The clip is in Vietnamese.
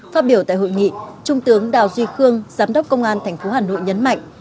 phát biểu tại hội nghị trung tướng đào duy khương giám đốc công an thành phố hà nội nhấn mạnh